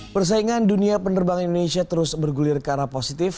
persaingan dunia penerbangan indonesia terus bergulir ke arah positif